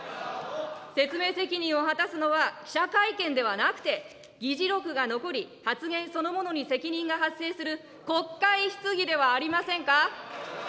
説明責任を果たすのは記者会見ではなくて、議事録が残り、発言そのものに責任が発生する国会質疑ではありませんか。